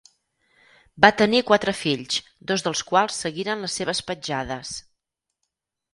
Va tenir quatre fills, dos dels quals seguiren les seves petjades.